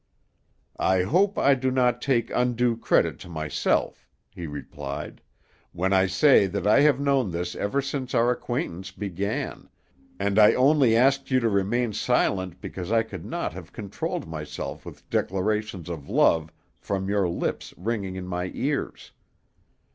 "I hope I do not take undue credit to myself," he replied, "when I say that I have known this ever since our acquaintance began, and I only asked you to remain silent because I could not have controlled myself with declarations of love from your lips ringing in my ears.